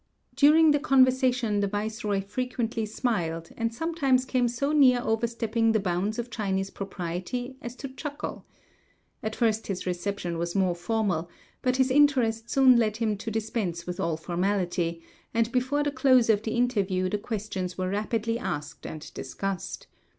During the conversation the viceroy frequently smiled, and sometimes came so near overstepping the bounds of Chinese propriety as to chuckle. At first his reception was more formal, but his interest soon led him to dispense with all formality, and before the close of the interview the questions were rapidly asked and discussed.